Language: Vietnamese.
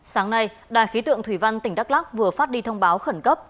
sáng nay đài khí tượng thủy văn tỉnh đắk lắc vừa phát đi thông báo khẩn cấp